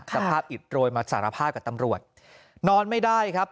สภาพอิดโรยมาสารภาพกับตำรวจนอนไม่ได้ครับ